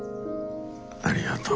ありがとう。